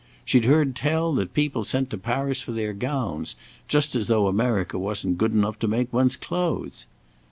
She'd heard tell that people sent to Paris for their gowns, just as though America wasn't good enough to make one's clothes!